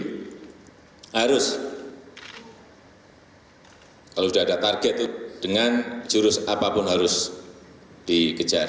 jadi harus kalau sudah ada target itu dengan jurus apapun harus dikejar